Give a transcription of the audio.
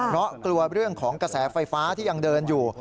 เพราะกลัวเรื่องของกระแสไฟฟ้าที่ยังเดินอยู่